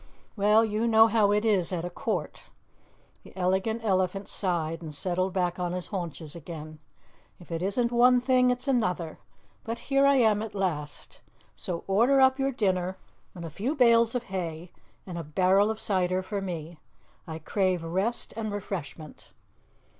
"Well, you know how it is at a court." The Elegant Elephant sighed and settled back on his haunches again. "If it isn't one thing it's another, but here I am at last. So order up your dinner and a few bales of hay and a barrel of cider for me. I crave rest and refreshment."